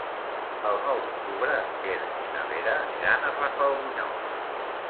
El nou d'octubre en Quer i na Vera aniran a Rafelbunyol.